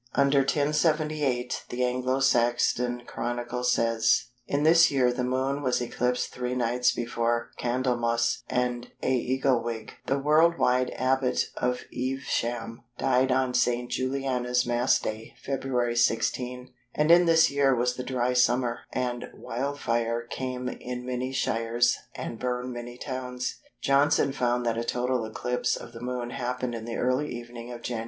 Under 1078 the Anglo Saxon Chronicle says:—"In this year the Moon was eclipsed 3 nights before Candlemas, and Ægelwig, the 'world wide' Abbot of Evesham, died on St. Juliana's Mass day [Feb. 16]; and in this year was the dry summer, and wildfire came in many Shires and burned many towns." Johnson found that a total eclipse of the Moon happened in the early evening of Jan.